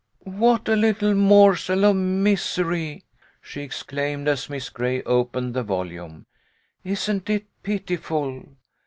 " What a little morsel of misery !" she exclaimed, as Miss Gray opened the volume. " Isn't it pitiful